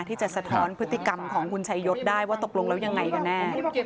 สะท้อนพฤติกรรมของคุณชัยยศได้ว่าตกลงแล้วยังไงกันแน่